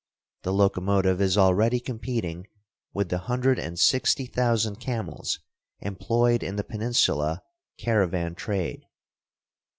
The locomotive is already competing with the hundred and sixty thousand camels employed in the peninsula caravan trade.